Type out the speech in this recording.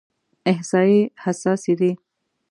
احصایې حساسې دي.